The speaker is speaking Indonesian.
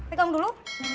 eh kamu dulu